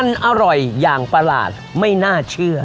มันอร่อยอย่างประหลาดไม่น่าเชื่อ